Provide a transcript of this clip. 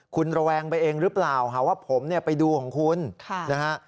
คุณระแวงไปเองหรือเปล่าหาว่าผมเนี่ยไปดูของคุณนะฮะ